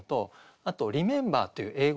あと「リメンバー」っていう英語。